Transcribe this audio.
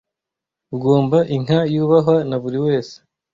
ugomba inka yubahwa na buri wese